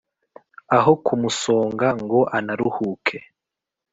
aho kumusonga ngo anaruhuke